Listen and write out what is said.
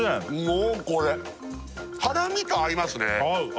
もうこれハラミと合いますね